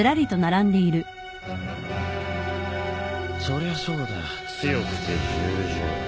そりゃそうだ強くて従順